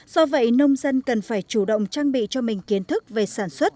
do vậy nông dân cần phải chủ động trang bị cho mình kiến thức về sản xuất